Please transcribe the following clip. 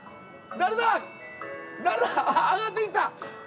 誰だ上がってきた。